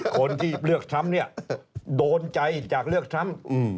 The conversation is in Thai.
คนที่เลือกทรัมป์เนี่ยโดนใจจากเลือกทรัมป์